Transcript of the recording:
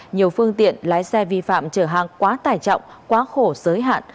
nhiều phương tiện lái xe vi phạm trở hàng quá tải trọng quá khổ giới hạn